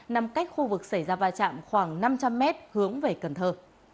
nằm cách khu vực xảy ra va chạm khoảng năm trăm linh m hướng về cần thơ